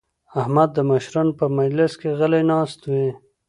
احمد د مشرانو په مجلس کې غلی ناست وي.